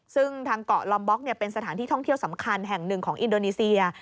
ซึ่งทางเกาะลอมบ๊อกเป็นสถานที่ท่องเที่ยวสำคัญแห่งหนึ่งของอินโดนีเซีย